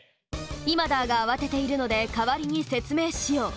イマダーがあわてているのでかわりにせつめいしよう。